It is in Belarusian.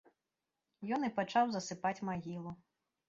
Ён і пачаў засыпаць магілу.